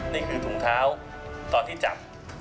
นี่คือถุงเท้าตอนที่จับ